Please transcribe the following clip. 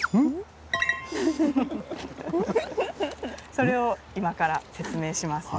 それを今から説明しますね。